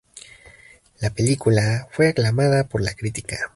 La película fue aclamada por la crítica.